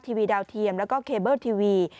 ทีวีดาวเทียมแล้วก็เคเบิลทีวี